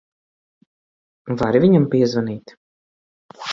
Vari viņam piezvanīt?